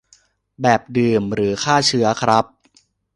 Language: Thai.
แบบดื่มหรือฆ่าเชื้อครับ